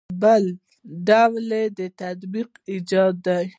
بل ډول یې تطبیقي ایجاد دی.